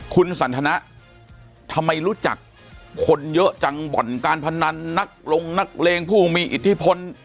คุณสันทนะทำไมรู้จักคนเยอะจังบ่อนการพนันนักลงนักเลงผู้มีอิทธิพล